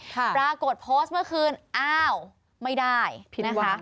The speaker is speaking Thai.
ปรากฏโพสต์เมื่อคืนอ้าวไม่ได้นะคะ